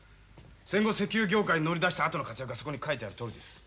戦後石油業界に乗り出したあとの活躍はそこに書いてあるとおりです。